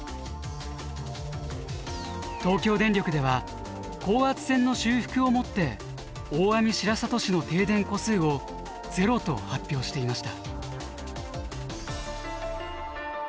東京電力では高圧線の修復をもって大網白里市の停電戸数をゼロと発表していました。